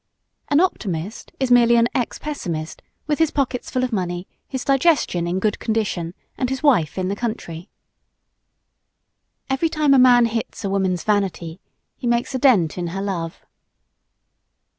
An optimist is merely an ex pessimist with his pockets full of money, his digestion in good condition and his wife in the country. Every time a man hits a woman's vanity he makes a dent in her love.